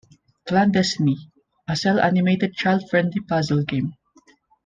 "Clandestiny" - a cel animated child-friendly puzzle game.